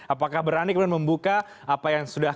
apakah berani kemudian membuka apa yang sudah